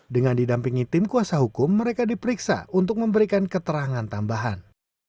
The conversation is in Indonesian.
dengan didampingi tim kuasa hukum mereka diperiksa untuk memberikan keterangan tambahan